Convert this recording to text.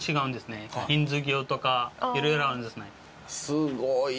すごいわ。